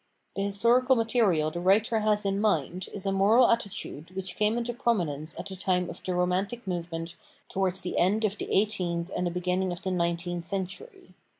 The historical material the writer has in mind is a moral attitude which came into prominence at the time of the Romantic movement towards the end of the eighteenth and the beginning of the nineteenth century.